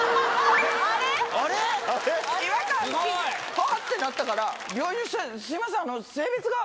「はぁ？」ってなったから病院の人に「すいません」。